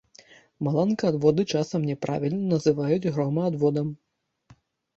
Маланкаадводы часам няправільна называюць громаадводам.